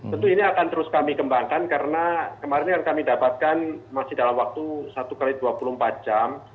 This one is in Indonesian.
tentu ini akan terus kami kembangkan karena kemarin yang kami dapatkan masih dalam waktu satu x dua puluh empat jam